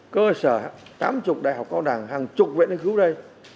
cơ sở tám mươi đại học cao đẳng hàng chục viện nghiên cứu đây